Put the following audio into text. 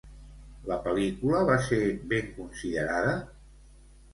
La pel·lícula va ser ben considerada?